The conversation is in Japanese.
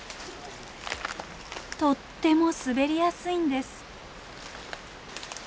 とっても滑りやすいんです。